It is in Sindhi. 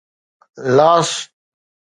لاس